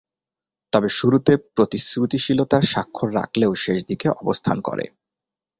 তবে, শুরুতে প্রতিশ্রুতিশীলতার স্বাক্ষর রাখলেও শেষদিকে অবস্থান করে।